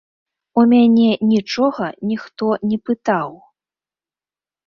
У мяне нічога ніхто не пытаў.